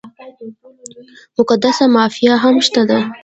مقدسه مافیا هم شته ده.